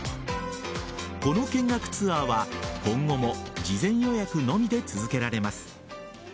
この見学ツアーは今後も事前予約のみで続けられます。